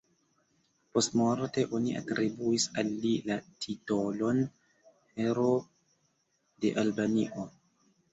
Postmorte oni atribuis al li la titolon "Heroo de Albanio".